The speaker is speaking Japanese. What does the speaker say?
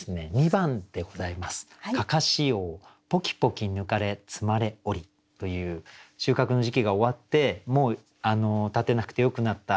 「案山子翁ぽきぽき抜かれ積まれをり」という収穫の時期が終わってもう立てなくてよくなった。